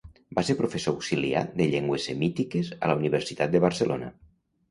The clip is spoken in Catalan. Va ser professor auxiliar de llengües semítiques a la Universitat de Barcelona.